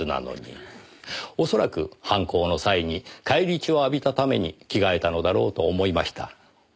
恐らく犯行の際に返り血を浴びたために着替えたのだろうと思いました。